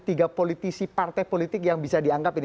tiga politisi partai politik yang bisa dianggap ini